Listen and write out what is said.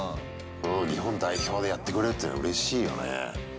日本代表やってくれるっていうのうれしいよね。